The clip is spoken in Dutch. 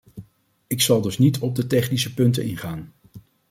Ik zal dus niet op de technische punten ingaan.